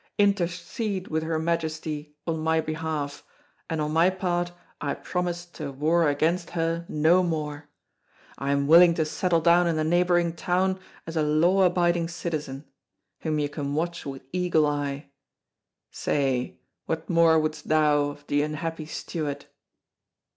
Intercede with Her Majesty on my behalf, and on my part I promise to war against her no more. I am willing to settle down in the neighboring town as a law abiding citizen, whom you can watch with eagle eye. Say, what more wouldst thou of the unhappy Stuart?"